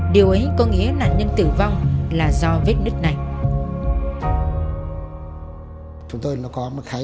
điều ấy có nghĩa nạn nhân tử vong là do vết nứt này